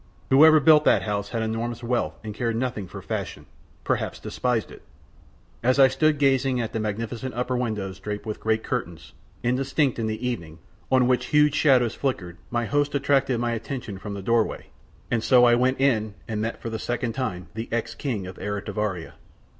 Whoever built that house had enormous wealth and cared nothing for fashion, perhaps despised it. As I stood gazing at the magnificent upper windows draped with great curtains, indistinct in the evening, on which huge shadows flickered my host attracted my attention from the doorway, and so I went in and met for the second time the ex King of Eritivaria.